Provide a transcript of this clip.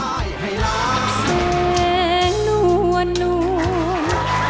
เสียงนวดนวด